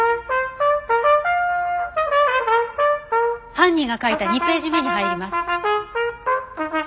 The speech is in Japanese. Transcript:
犯人が書いた２ページ目に入ります。